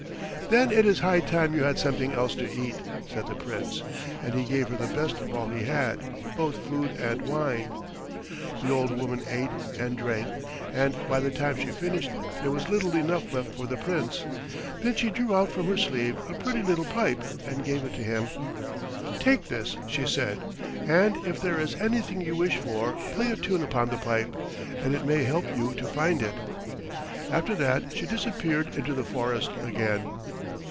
"Then it is high time you had something else to eat," said the Prince, and he gave her the best of all he had, both food and wine. The old woman ate and drank, and by the time she finished there was little enough left for the Prince. Then she drew out from her sleeve a pretty little pipe and gave it to him. "Take this," she said, "and if there is anything you wish for play a tune upon the pipe, and it may help you to find it." After that she disappeared into the forest again.